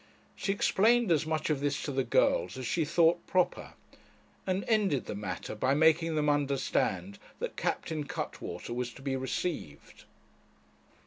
She explained as much of this to the girls as she thought proper, and ended the matter by making them understand that Captain Cuttwater was to be received.